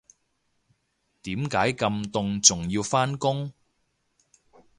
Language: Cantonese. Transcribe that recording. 點解咁凍仲要返工